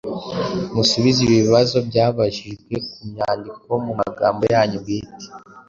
Musubize ibi bibazo byabajijwe ku mwandiko mu magambo yanyu bwite.